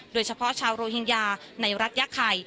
โดยเฉพาะชาวโรฮิงญาในรัฐยาไข่